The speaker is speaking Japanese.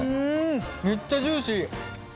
めっちゃジューシー。